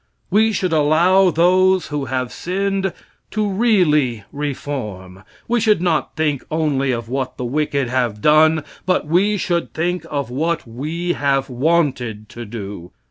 We should allow those who have sinned to really reform. We should not think only of what the wicked have done, but we should think of what we have wanted to do.